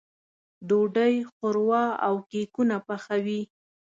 ډوډۍ، ښوروا او کيکونه پخوي.